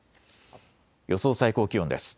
予想最高気温です。